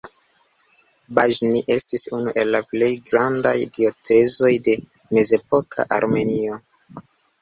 Bĵni estis unu el la plej grandaj diocezoj de mezepoka Armenio.